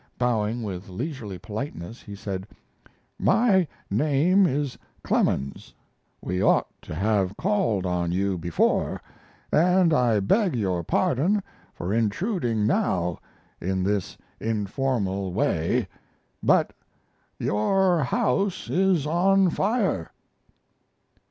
Bowing with leisurely politeness, he said: "My name is Clemens; we ought to have called on you before, and I beg your pardon for intruding now in this informal way, but your house is on fire."